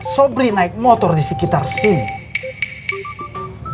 sobri naik motor di sekitar sini